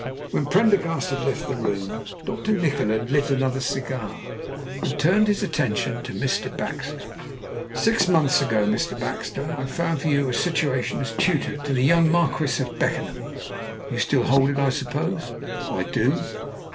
When Prendergast had left the room, Dr. Nikola lit another cigar and turned his attentions to Mr. Baxter. "Six months ago, Mr. Baxter, I found for you a situation as tutor to the young Marquis of Beckenham. You still hold it, I suppose?" "I do."